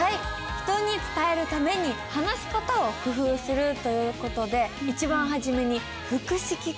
人に伝えるために話し方を工夫するという事で一番初めに腹式呼吸やったよね。